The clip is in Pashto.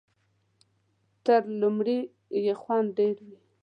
تر لومړي یې خوند ډېر وي .